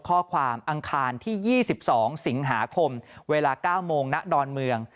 อังคารที่๒๒สิงหาคมเวลา๙โมงณดอนเมือง